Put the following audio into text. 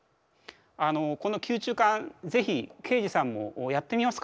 あのこの吸虫管是非刑事さんもやってみますか。